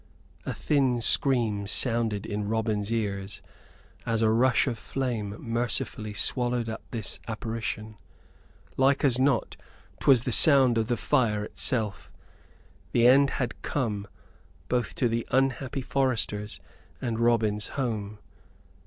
A thin scream sounded in Robin's ears, as a rush of flame mercifully swallowed up this apparition: like as not, 'twas the sound of the fire itself. The end had come, both to the unhappy foresters and Robin's home.